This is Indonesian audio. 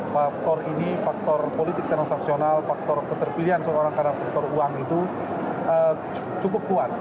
faktor ini faktor politik transaksional faktor keterpilihan seorang karena faktor uang itu cukup kuat